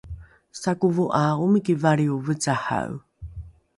sakovo ’a omiki valrio vecahae